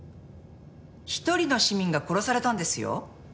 一人の市民が殺されたんですよ。